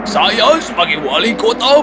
saya sebagai wali kota bertanggung jawabnya